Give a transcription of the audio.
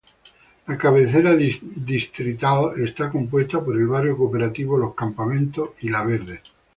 La cabecera distrital está compuesta por el Barrio Cooperativa Los Campamentos, y la Verde.